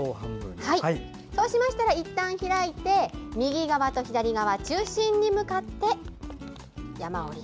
そうしましたらいったん開いて右側と左側中心に向かって山折り。